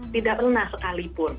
tidak pernah sekalipun